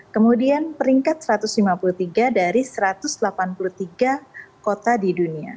kemudian peringkat satu ratus lima puluh tiga dari satu ratus delapan puluh tiga kota di dunia